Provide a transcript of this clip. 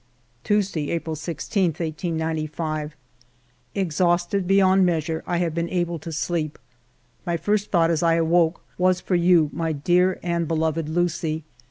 'Tuesday, April i6, 1895. Exhausted beyond measure, I have been able to sleep. My first thought as I awoke was for you, my dear and beloved Lucie.